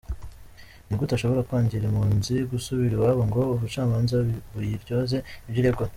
Ni gute ushobora kwangira impunzi gusubira iwabo ngo ubucamanza buyiryoze ibyo iregwa?".